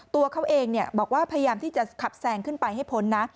ตัวเขาเองบอกว่าพยายามที่จะขับแซงขึ้นไปให้พ้นนะ